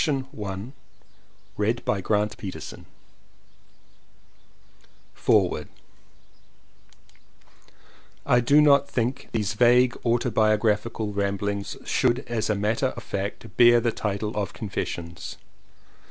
175 CONFESSIONS LLEWELLYN POWYS FOREWORD I DO NOT think these vague autobiograph ical ramblings should as a matter of fact bear the title of Confessions.